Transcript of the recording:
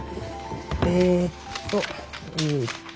えっとえっと。